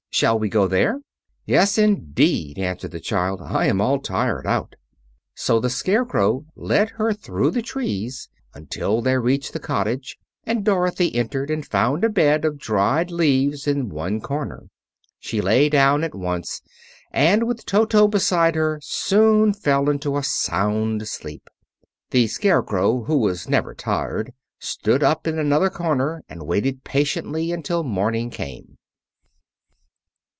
Shall we go there?" "Yes, indeed," answered the child. "I am all tired out." So the Scarecrow led her through the trees until they reached the cottage, and Dorothy entered and found a bed of dried leaves in one corner. She lay down at once, and with Toto beside her soon fell into a sound sleep. The Scarecrow, who was never tired, stood up in another corner and waited patiently until morning came.